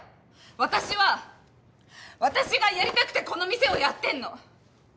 私は私がやりたくてこの店をやってんの。